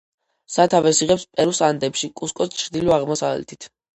სათავეს იღებს პერუს ანდებში, კუსკოს ჩრდილო-აღმოსავლეთით.